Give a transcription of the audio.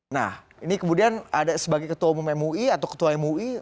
nah ini kemudian ada sebagai ketua umum mui atau ketua mui